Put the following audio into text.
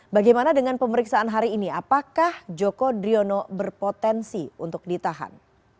bagaimana dengan pemeriksaan hari ini apakah joko driono berpotensi untuk ditahan